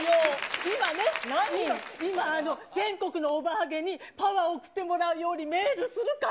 今ね、今、全国のおばはげにパワーを送ってもらうようにメールするから。